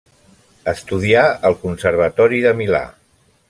Estudià al Conservatori de Milà.